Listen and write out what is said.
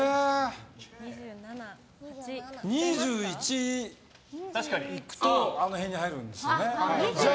２１にいくとあの辺に入るんですよね。